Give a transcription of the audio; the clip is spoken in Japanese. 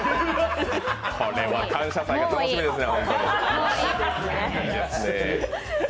これは「感謝祭」が楽しみですね。